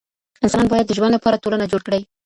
انسانان بايد د ژوند لپاره ټولنه جوړ کړي.